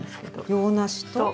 洋梨と？